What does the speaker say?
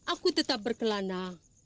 aku tetap berkelana